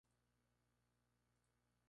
Inflorescencia axilar, como umbela.